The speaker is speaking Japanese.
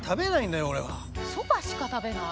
そばしか食べない？